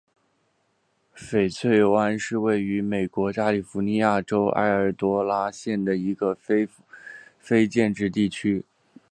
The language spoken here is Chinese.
翡翠湾是位于美国加利福尼亚州埃尔多拉多县的一个非建制地区。